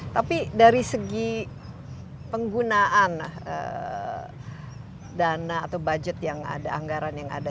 tapi dari segi penggunaan dana atau budget yang ada anggaran yang ada